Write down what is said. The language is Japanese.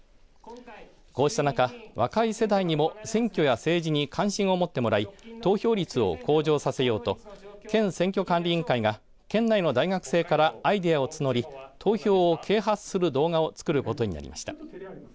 こうした中、若い世代にも選挙や政治に関心を持ってもらい投票率を向上させようと県選挙管理委員会が県内の大学生からアイデアを募り投票を啓発する動画を作ることになりました。